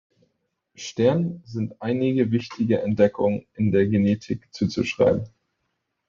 Stern sind einige wichtige Entdeckungen in der Genetik zuzuschreiben.